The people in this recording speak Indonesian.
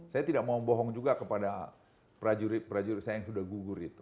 saya tidak mau bohong juga kepada prajurit prajurit saya yang sudah gugur itu